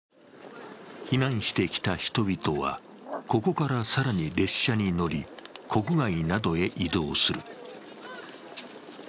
避難してきた人々はここから更に列車に乗り国外などへ移動する。